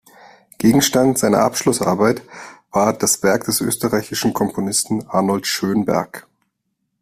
Gegenstand seiner Abschlussarbeit war das Werk des österreichischen Komponisten Arnold Schönberg.